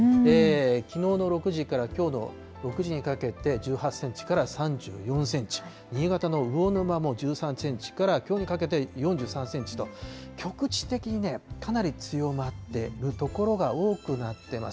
きのうの６時からきょうの６時にかけて、１８センチから３４センチ、新潟の魚沼も１３センチから、きょうにかけて４３センチと、局地的にかなり強まってる所が多くなってます。